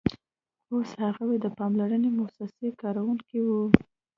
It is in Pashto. اوس هغوی د پاملرنې موسسې کارکوونکي وو